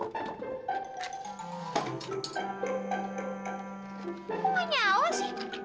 kok gak nyawa sih